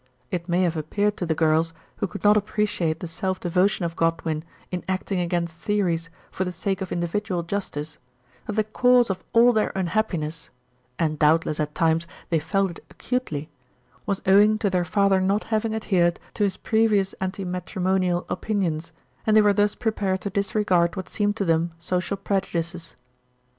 It may have appeared to the girls, who could not appreciate the self devotion of Godwin in acting against theories for the sake of individual justice, that the cause of all their unhappiness (and doubtless at times they felt it acutely) was owing to their father not having adhered to his previous anti matrimonial opinions, and they were thus prepared to disregard what seemed to them social prejudices.